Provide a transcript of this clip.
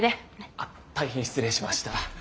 あ大変失礼しました。